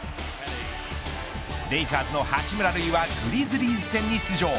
レイカーズの八村塁はグリズリーズ戦に出場。